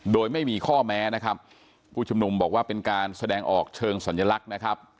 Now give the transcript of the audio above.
โดยไม่มีข้อแม้นะครับผู้ชุมนุมบอกว่าเป็นการแสดงออกเชิงสัญลักษณ์นะครับ